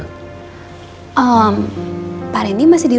aku mau t messaging